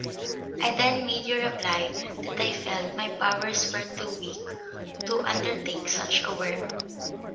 I then made you reply that I felt my powers were too weak to undertake such a work....